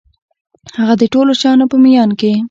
د هغه ټولو شیانو په میان کي